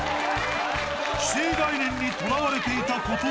既成概念にとらわれていた小峠。